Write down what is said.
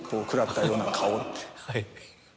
はい。